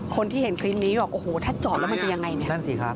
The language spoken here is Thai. คนที่เห็นคลิปนี้บอกโอ้โหถ้าจอดแล้วมันจะยังไงเนี่ย